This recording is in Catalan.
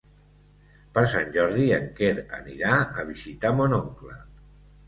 Per Sant Jordi en Quer anirà a visitar mon oncle.